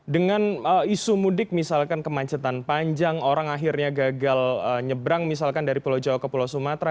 dengan isu mudik misalkan kemacetan panjang orang akhirnya gagal nyebrang misalkan dari pulau jawa ke pulau sumatera